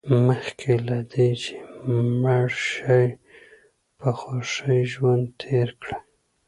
مخکې له دې چې مړ شئ په خوښۍ ژوند تېر کړئ.